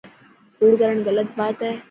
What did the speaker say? ڪوڙ ڪرڻ غلط بات هي.